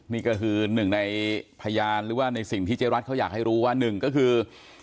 นี่ก็คือหนึ่งในพยานหรือว่าในสิ่งที่เจ๊รัฐเขาอยากให้รู้ว่าหนึ่งก็คือ